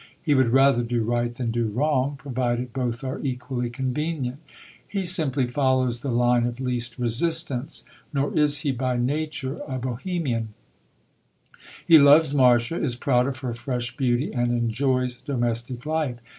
He would rather do right than do wrong, provided both are equally convenient. He simply follows the line of least resistance. Nor is he by nature a Bohemian; he loves Marcia, is proud of her fresh beauty, and enjoys domestic life.